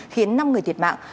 khiến năm người thiệt mạng